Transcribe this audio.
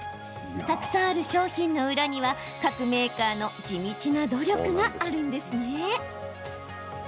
たくさんある商品の裏には各メーカーの地道な努力があるんですね。